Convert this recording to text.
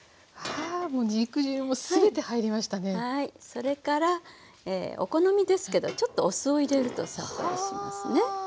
それからお好みですけどちょっとお酢を入れるとさっぱりしますね。